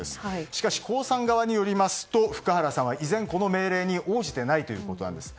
しかし、江さん側によりますと福原さんは依然、この命令に応じていないということなんです。